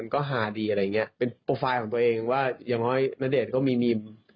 จากฝรั่งจากฝรั่งจากฝรั่งจากฝรั่ง